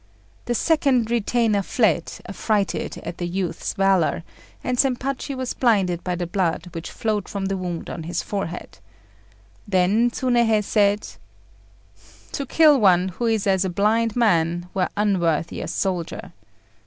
The second retainer fled affrighted at the youth's valour, and Zempachi was blinded by the blood which flowed from the wound on his forehead. Then Tsunéhei said "To kill one who is as a blind man were unworthy a soldier.